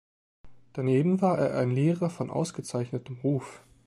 Daneben war er ein Lehrer von ausgezeichnetem Ruf.